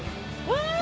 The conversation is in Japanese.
うわ！